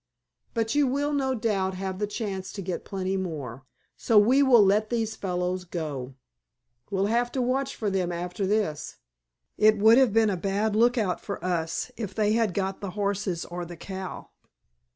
But you will no doubt have the chance to get plenty more, so we will let these fellows go. We'll have to watch for them after this. It would have been a bad lookout for us if they had got the horses or the cow."